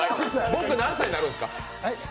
僕、何歳になるんですか？